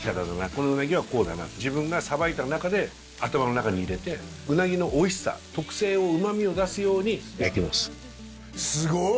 このうなぎはこうだな自分がさばいた中で頭の中に入れてうなぎのおいしさ特性を旨味を出すように焼きますすごい！